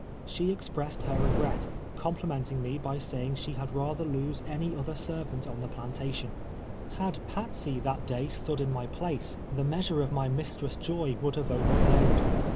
She ex pressed her regret, complimenting me by saying she had rather lose any other servant on the plantation. Had Patsey that day stood in my place, the measure THE FAREWELL. 307 of my mistress' joy would have overflowed.